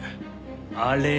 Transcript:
あれ？